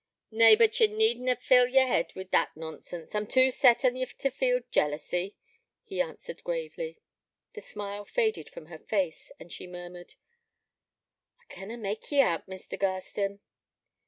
'Nay, but ye need na fill yer head wi' that nonsense. I'm too deep set on ye t' feel jealousy,' he answered, gravely. The smile faded from her face, as she murmured: 'I canna mak ye out, Mr. Garstin.'